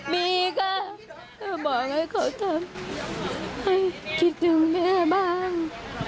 มีค่ะก็บอกให้เขาทำให้คิดถึงแม่บ้าง